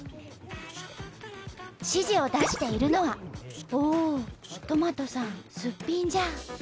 指示を出しているのはおおとまとさんすっぴんじゃ。